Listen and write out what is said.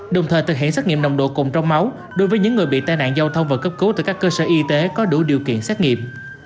đồng thời thực hiện xét nghiệm nồng độ cồn trong máu đối với những người bị tai nạn giao thông và cấp cứu từ các cơ sở y tế có đủ điều kiện xét nghiệm